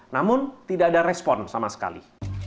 namun tidak ada respon sama sekali